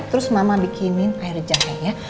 terus mama bikinin air jahe ya